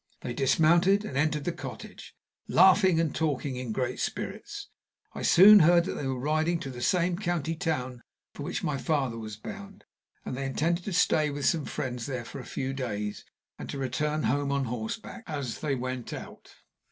They dismounted and entered the cottage, laughing and talking in great spirits. I soon heard that they were riding to the same county town for which my father was bound and that they intended to stay with some friends there for a few days, and to return home on horseback, as they went out.